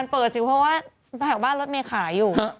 เปิดจริงเพราะว่าบ้านรถเมฆขายอยู่